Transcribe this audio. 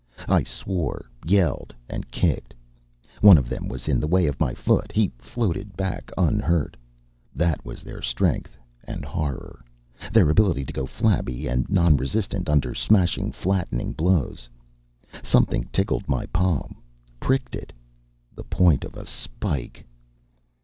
I swore, yelled and kicked. One of them was in the way of my foot. He floated back, unhurt. That was their strength and horror their ability to go flabby and non resistant under smashing, flattening blows. Something tickled my palm, pricked it. The point of a spike....